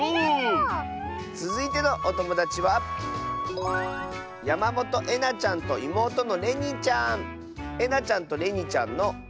つづいてのおともだちはえなちゃんとれにちゃんの。